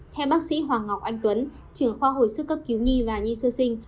theo bác sĩ hoàng ngọc anh tuấn trưởng khoa hồi sức cấp cứu nhi và nhi sơ sinh